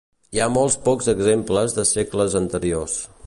Hi ha molt pocs exemples de segles anteriors.